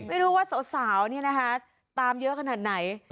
ไม่รู้ว่าสาวนี่นะคะตามเยอะขนาดไหน